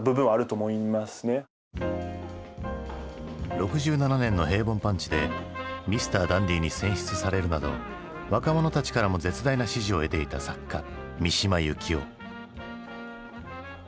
６７年の「平凡パンチ」でミスターダンディに選出されるなど若者たちからも絶大な支持を得ていた作家三島由紀夫。